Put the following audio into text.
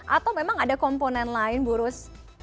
atau memang ada komponen lain bu rus